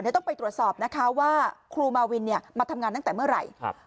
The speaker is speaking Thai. เดี๋ยวต้องไปตรวจสอบนะคะว่าครูมาวินมาทำงานตั้งแต่เมื่อไหร่